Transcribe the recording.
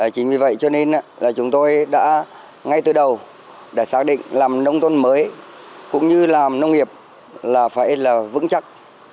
chính vì vậy cho nên là chúng tôi đã ngay từ đầu để xác định làm nông thôn mới cũng như làm nông nghiệp là phải là vững chắc